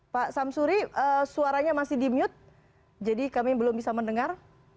pak samsuri suaranya masih di mute jadi kami belum bisa mendengar